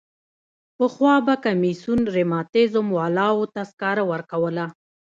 پخوا به کمیسیون رماتیزم والاوو ته سکاره ورکول.